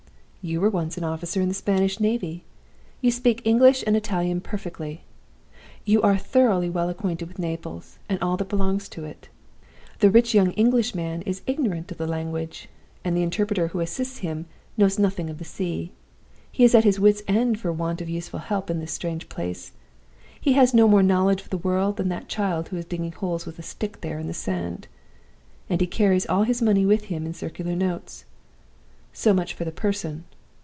You were once an officer in the Spanish navy you speak English and Italian perfectly you are thoroughly well acquainted with Naples and all that belongs to it. The rich young Englishman is ignorant of the language, and the interpreter who assists him knows nothing of the sea. He is at his wits' end for want of useful help in this strange place; he has no more knowledge of the world than that child who is digging holes with a stick there in the sand; and he carries all his money with him in circular notes. So much for the person.